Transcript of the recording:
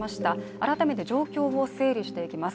改めて状況を整理していきます。